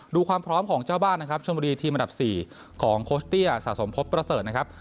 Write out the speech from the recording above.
ดูความพร้อมของเจ้าบ้านนะครับชนบุรีทีมอันดับ๔ของโคชเตี้ยสะสมพบประเสริฐนะครับ